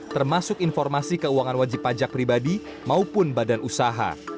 termasuk informasi keuangan wajib pajak pribadi maupun badan usaha